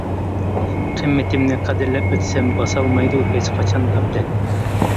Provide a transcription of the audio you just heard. قىممىتىمنى قەدىرلەپ ئۆتسەم، باسالمايدۇ ھېچقاچان غەپلەت.